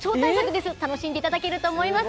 楽しんでいただけると思います。